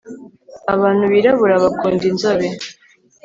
abantu birabura bakunda inzobe